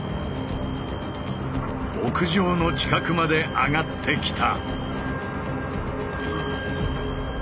屋上の近くまで上がってきた。